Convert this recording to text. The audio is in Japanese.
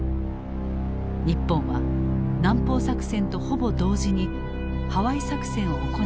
日本は南方作戦とほぼ同時にハワイ作戦を行う決断をした。